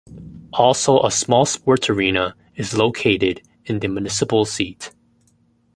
Also a small sports arena is located in the municipal seat.